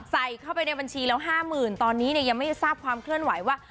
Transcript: ใส่เข้าไปในบัญชีแล้ว๕๐๐๐ตอนนี้ยังไม่ทราบความเคลื่อนไหวว่า